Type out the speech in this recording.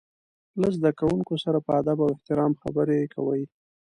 له زده کوونکو سره په ادب او احترام خبرې کوي.